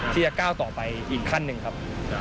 ที่จะก้าวต่อไปอีกขั้นหนึ่งครับ